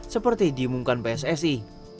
seperti di mungkan pssi